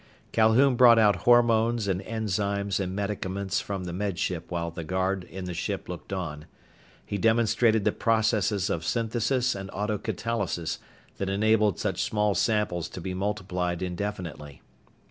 Calhoun brought out hormones and enzymes and medicaments from the Med Ship while the guard in the ship looked on. He demonstrated the processes of synthesis and auto catalysis that enabled such small samples to be multiplied indefinitely.